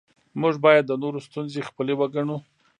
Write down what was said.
موږ باید د نورو ستونزې خپلې وګڼو